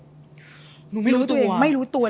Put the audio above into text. หนูไม่รู้ตัว